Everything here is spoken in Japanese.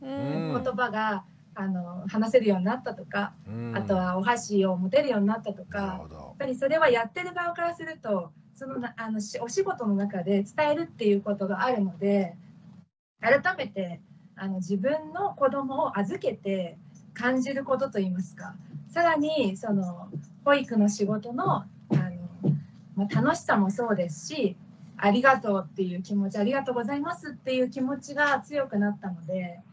言葉が話せるようになったとかあとはお箸を持てるようになったとかやっぱりそれはやってる側からするとお仕事の中で伝えるっていうことがあるので改めて自分の子どもを預けて感じることといいますか更に保育の仕事の楽しさもそうですしありがとうっていう気持ちありがとうございますっていう気持ちが強くなったので。